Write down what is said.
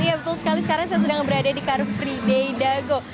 iya betul sekali sekarang saya sedang berada di car free day dago